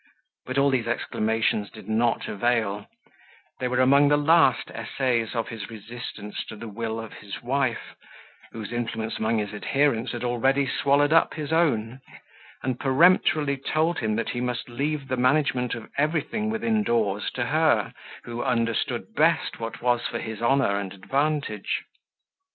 But all these exclamations did not avail; they were among the last essays of his resistance to the will of his wife, whose influence among his adherents had already swallowed up his own, and peremptorily told him that he must leave the management of everything within doors to her, who understood best what was for his honour and advantage.